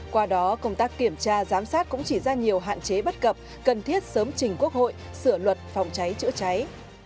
qua đó công tác kiểm tra giám sát cũng chỉ ra nhiều hạn chế bất cập cần thiết sớm trình quốc hội sửa luật phòng cháy chữa cháy